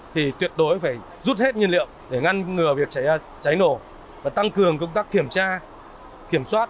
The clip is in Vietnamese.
thì tuyệt đối phải rút hết nhiên liệu để ngăn ngừa việc cháy nổ và tăng cường công tác kiểm tra kiểm soát